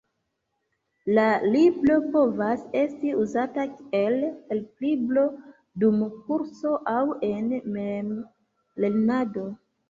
La libro povas esti uzata kiel helplibro dum kurso, aŭ en memlernado.